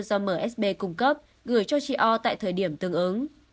do msb cung cấp gửi cho chị o tại thời điểm tương ứng